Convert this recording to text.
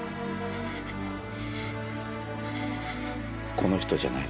この人じゃない？